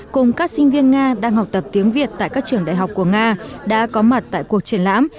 cùng các sinh viên nga đang học tập tiếng việt tại các trường đại học của nga đã có mặt tại cuộc triển lãm